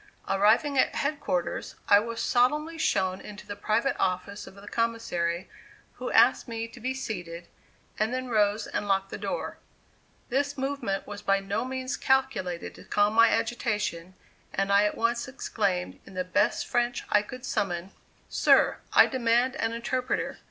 Arriving at head quarters, I was solemnly shown into the private office of the Commissary who asked me to be seated, and then rose and locked the door. This movement was by no means calculated to calm my agitation, and I at once exclaimed, in the best French I could summon: "Sir, I demand an interpreter."